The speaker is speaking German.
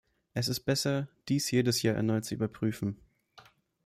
Es ist besser, dies jedes Jahr erneut zu überprüfen.